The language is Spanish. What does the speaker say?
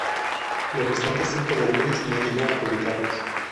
Los restantes cinco volúmenes no llegó a publicarlos.